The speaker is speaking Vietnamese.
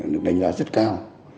được đánh giá rất cao